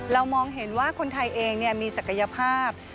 มองเห็นว่าคนไทยเองมีศักยภาพ